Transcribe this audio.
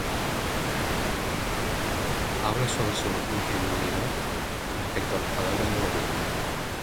Hablaba sobre su "ingenuidad" respecto a las palabras del gobierno.